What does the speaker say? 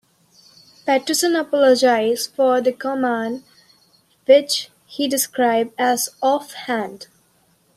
Peterson apologized for the comment, which he described as "off-hand".